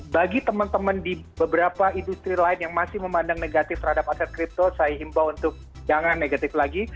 bagi teman teman di beberapa industri lain yang masih memandang negatif terhadap aset kripto saya himbau untuk jangan negatif lagi